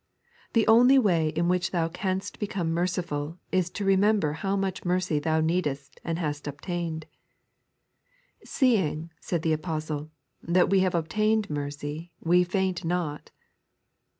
The only way in which thou canst become merciful is to remember how much mercy thou needest and hast obtained. "Seeing," said the Apostle, "that we have obtained mercy, we faint not."